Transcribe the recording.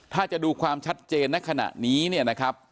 ถ้าจะดูความชัดเจนในขณะนี้เนี่ยนะครับ